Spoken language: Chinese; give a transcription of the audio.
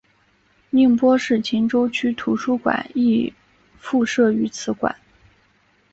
宁波市鄞州区图书馆亦附设于此馆。